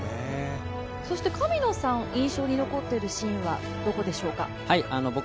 神野さん、印象に残っているシーンはどこでしょうか。